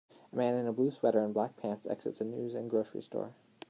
A man in a blue sweater and black pants exits a news and grocery store.